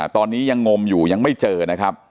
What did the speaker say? ตอนนี้ยังงมอยู่ยังไม่เจอนะครับ